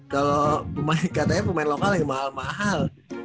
kalau katanya pemain lokal ya mahal mahal